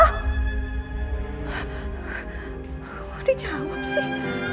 gak mau dijawab sih